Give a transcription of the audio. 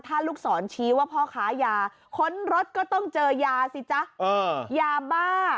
ถ้าลูกศรชี้ว่าพ่อค้ายาค้นรถก็ต้องเจอยาสิจ๊ะยาบ้า